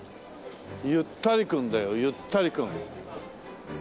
ゆったりくんだよゆったりくん。